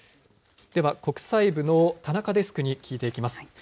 では国際部の田中デスクに聞いていきます。